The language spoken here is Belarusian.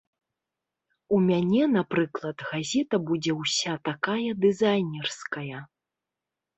У мяне, напрыклад, газета будзе ўся такая дызайнерская.